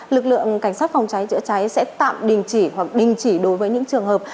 lực lượng cảnh sát phòng cháy chữa cháy sẽ tạm đình chỉ hoặc đình chỉ đối với những trường hợp